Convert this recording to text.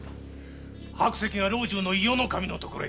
白石が老中の伊予守の所へ。